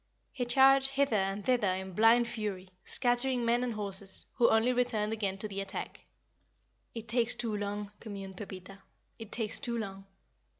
He charged hither and thither in blind fury, scattering men and horses, who only returned again to the attack. "It takes too long," communed Pepita, "It takes too long."